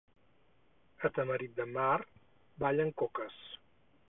A Tamarit de Mar, ballen coques.